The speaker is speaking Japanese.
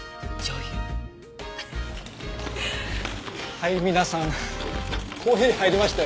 はい皆さんコーヒー入りましたよ。